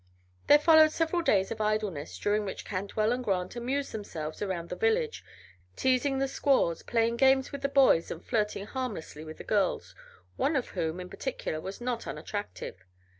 There followed several days of idleness, during which Cantwell and Grant amused themselves around the village, teasing the squaws, playing games with the boys, and flirting harmlessly with the girls, one of whom, in particular, was not unattractive.